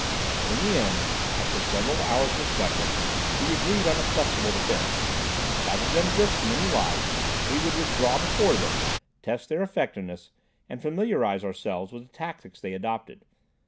In the end, after several hours' discussion, we agreed on a flexible defense. Rather than risk many lives, we would withdraw before them, test their effectiveness and familiarize ourselves with the tactics they adopted.